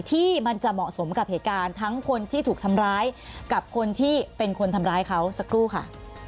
ที่มันจะเหมาะสมกับเหตุการณ์ทั้งคนที่ถูกทำร้ายกับคนที่เป็นคนทำร้ายเขาสักครู่ค่ะ